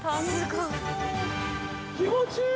◆気持ちいい！